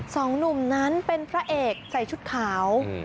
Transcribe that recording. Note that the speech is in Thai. สองหนุ่มนั้นเป็นพระเอกใส่ชุดขาว